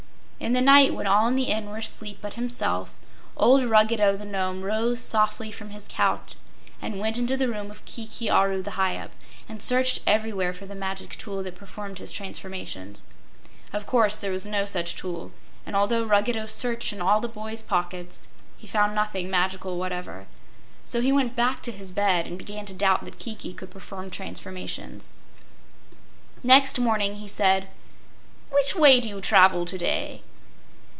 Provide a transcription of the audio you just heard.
In the night when all in the Inn were asleep but himself, old Ruggedo the Nome rose softly from his couch and went into the room of Kiki Aru the Hyup, and searched everywhere for the magic tool that performed his transformations. Of course, there was no such tool, and although Ruggedo searched in all the boy's pockets, he found nothing magical whatever. So he went back to his bed and began to doubt that Kiki could perform transformations. Next morning he said: "Which way do you travel to day?"